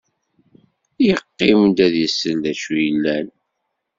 Yeqqim-d ad isel d acu yellan.